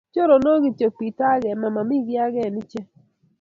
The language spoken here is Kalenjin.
Choronok kityo Peter ago Emma mami giy age eng ichek